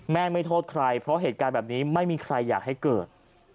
ไม่โทษใครเพราะเหตุการณ์แบบนี้ไม่มีใครอยากให้เกิด